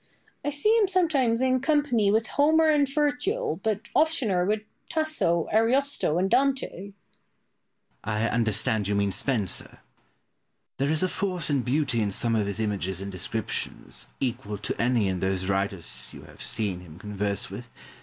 I see him sometimes in company with Homer and Virgil, but oftener with Tasso, Ariosto, and Dante. Pope. I understand you mean Spenser. There is a force and beauty in some of his images and descriptions, equal to any in those writers you have seen him converse with.